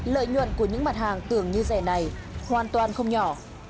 lợi nhuận của những mặt hàng tưởng như rẻ này hoàn toàn không nhỏ